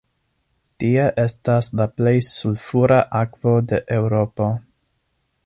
Tie estas la plej sulfura akvo de Eŭropo.